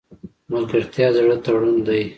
ملګرتیا د زړه تړون دی.